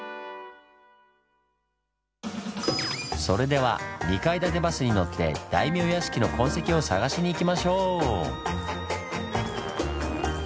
それでは２階建てバスに乗って大名屋敷の痕跡を探しに行きましょう！